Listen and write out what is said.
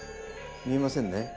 見えませんね？